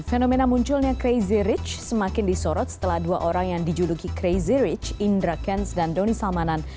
fenomena munculnya crazy rich semakin disorot setelah dua orang yang dijuluki crazy rich indra kents dan doni salmanan